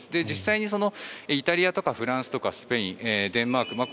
実際にイタリアとかフランスとかスペイン、デンマーク